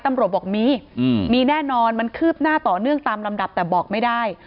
ตำรวจบอกมีมีแน่นอนมันคืบหน้าต่อเนื่องตามลำดับแต่บอกไม่ได้